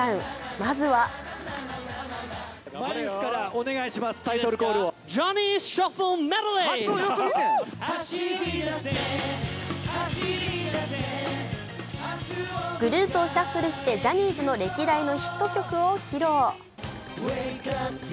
まずはグループをシャッフルしてジャニーズの歴代のヒット曲を披露。